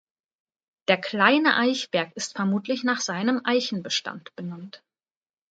Der Kleine Eichberg ist vermutlich nach seinem Eichenbestand benannt.